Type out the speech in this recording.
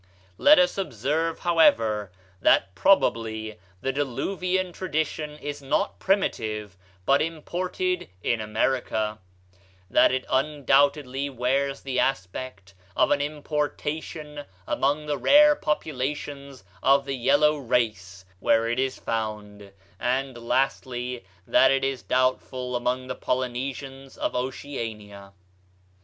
"Let us observe, however, that probably the diluvian tradition is not primitive, but imported in America; that it undoubtedly wears the aspect of an importation among the rare populations of the yellow race where it is found; and lastly, that it is doubtful among the Polynesians of Oceania.